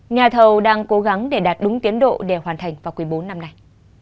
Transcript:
nhà thầu đang cố gắng để đạt đúng tiến độ để hoàn thành vào quý bốn năm nay